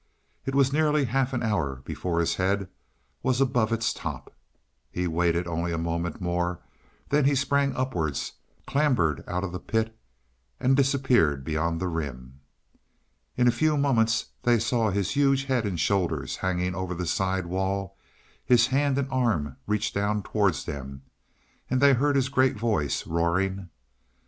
It was nearly half an hour before his head was above its top. He waited only a moment more, then he sprang upwards, clambered out of the pit and disappeared beyond the rim. In a few moments they saw his huge head and shoulders hanging out over the side wall; his hand and arm reached down towards them and they heard his great voice roaring.